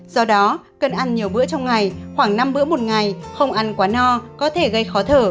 do đó cần ăn nhiều bữa trong ngày khoảng năm bữa một ngày không ăn quá no có thể gây khó thở